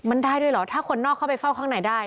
มันได้ด้วยเหรอถ้าคนนอกเข้าไปเฝ้าข้างในได้